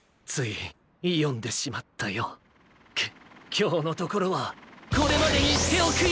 きょうのところはこれまでにしておくよ。